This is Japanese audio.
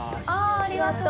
ありがとう。